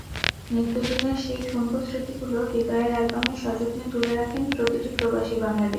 নিত্যদিনের সেই ঠুনকো স্মৃতিগুলো হৃদয়ের অ্যালবামে সযত্নে তুলে রাখেন প্রতিটি প্রবাসী বাংলাদেশি।